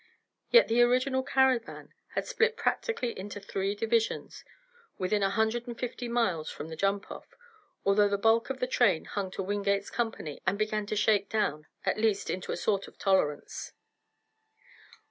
Yet the original caravan had split practically into three divisions within a hundred and fifty miles from the jump off, although the bulk of the train hung to Wingate's company and began to shake down, at least into a sort of tolerance.